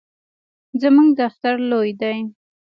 زموږ دفتر لوی دی